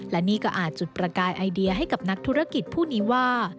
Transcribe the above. และนี่ก็อาจจุดประกายไอเดียให้กับนักธุรกิจผู้นี้ว่า